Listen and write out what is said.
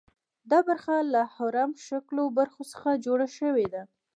دا برخه له هرم شکلو برخو څخه جوړه شوې ده.